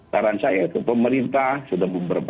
taran saya ke pemerintah